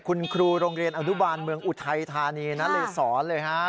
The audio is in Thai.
คุณครูโรงเรียนอนุบาลเมืองอุทัยธานีนะเลยสอนเลยฮะ